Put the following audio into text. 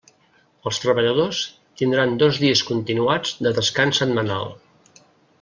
Els treballadors tindran dos dies continuats de descans setmanal.